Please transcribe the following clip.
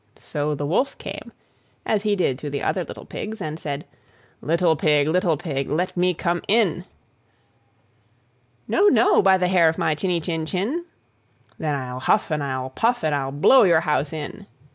So the Wolf came, as he did to the other little Pigs, and said, "Little Pig, little Pig, let me come in." "No, no, by the hair of my chinny chin chin." "Then I'll huff and I'll puff, and I'll blow your house in."